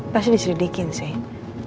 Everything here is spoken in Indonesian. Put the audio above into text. pasti diselidikin sih